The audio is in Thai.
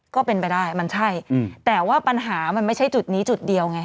ก็เป็นไปได้มันใช่แต่ว่าปัญหามันไม่ใช่จุดนี้จุดเดียวไง